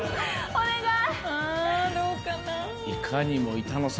お願い。